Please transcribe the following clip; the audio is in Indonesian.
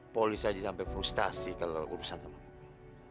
polis aja sampe frustasi kalau lo urusan sama gue